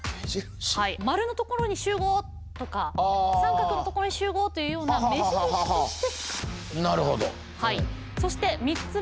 「丸のところに集合！」とか「三角のところに集合！」というような目印として使っていた。